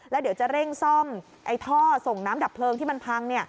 แล้วเดี๋ยวจะเร่งซ่อมท่อส่งน้ำดับเพลิงที่มันพัง